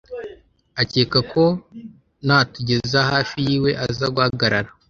akeka ko natugeza hafi y' iwe, aza guhagarara